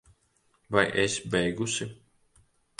Vai esi beigusi?